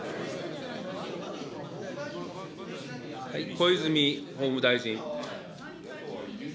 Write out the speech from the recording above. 小泉法務大臣。